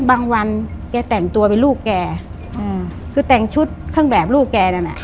วันแกแต่งตัวเป็นลูกแกอืมคือแต่งชุดเครื่องแบบลูกแกนั่นอ่ะ